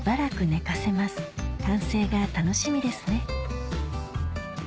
完成が楽しみですね